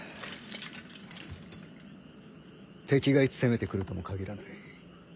敵がいつ攻めてくるとも限らない。